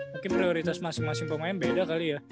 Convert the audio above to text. mungkin prioritas masing masing pemain beda kali ya